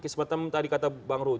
seperti tadi kata bang ruh